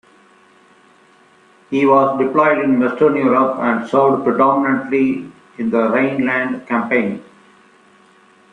He was deployed in western Europe and served predominantly in the Rhineland campaign.